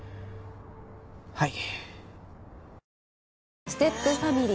はい。